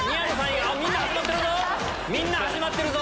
みんな始まってるぞ！